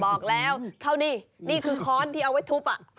บอกแล้วเท่านี้นี่คือค้อนที่เอาไว้ทุบ